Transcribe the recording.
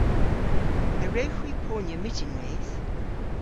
A wrewgh hwi ponya myttinweyth?